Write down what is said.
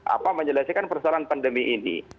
apa menyelesaikan persoalan pandemi ini